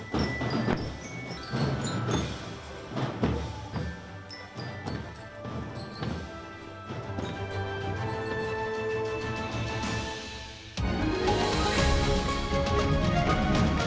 kejayaan baris panjang